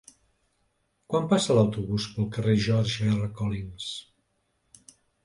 Quan passa l'autobús pel carrer George R. Collins?